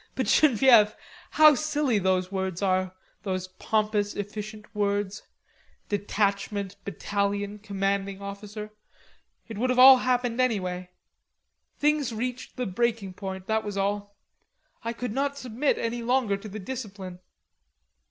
"But, Genevieve, how silly those words are, those pompous, efficient words: detachment, battalion, commanding officer. It would have all happened anyway. Things reached the breaking point; that was all. I could not submit any longer to the discipline....